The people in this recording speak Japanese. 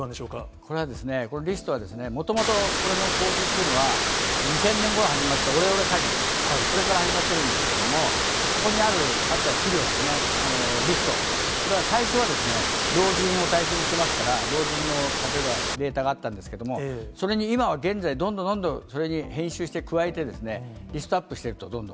これはですね、このリストはですね、もともとこれの構図っていうのは、２０００年ごろ始まったオレオレ詐欺、これから始まってるんですけれども、そこにあった資料ですね、リスト、これは最初はですね、老人を対象にしてますから、老人の例えばデータがあったんですけども、それに今は現在、どんどんどんどん、それに編集して加えて、リストアップしていると、どんどん。